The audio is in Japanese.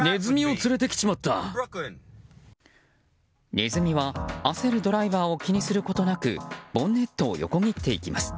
ネズミは焦るドライバーを気にすることなくボンネットを横切っていきます。